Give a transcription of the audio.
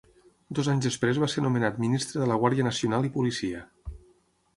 Dos anys després va ser nomenat Ministre de la Guàrdia Nacional i Policia.